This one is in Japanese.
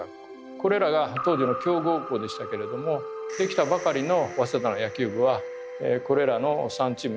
これらが当時の強豪校でしたけれども出来たばかりの早稲田の野球部はこれらの３チームに